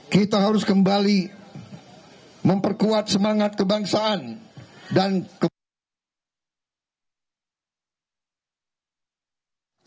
kita harus kembali memperkuat semangat kebangsaan dan kebangsaan